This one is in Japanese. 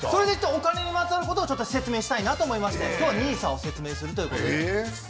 お金にまつわることを説明したいなと思いまして今日はＮＩＳＡを説明するということで。